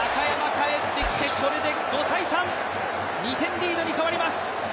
帰ってきて、５−３、２点リードに変わります。